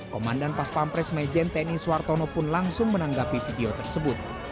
komandan paspampres mejen teni suartono pun langsung menanggapi video tersebut